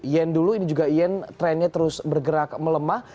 yen dulu ini juga yen trennya terus bergerak melemah